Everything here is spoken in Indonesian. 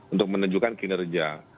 untuk menunjukkan kinerja